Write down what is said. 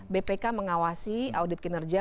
bpk mengawasi audit kinerja